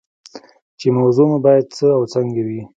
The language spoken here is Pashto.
چې موضوع مو باید څه او څنګه وي.